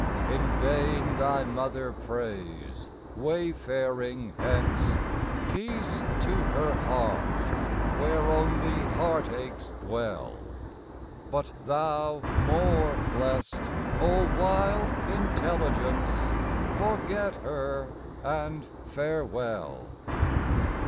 In vain thy mother prays, wayfaring hence, Peace to her heart, where only heartaches dwell; But thou more blest, O wild intelligence! Forget her, and Farewell.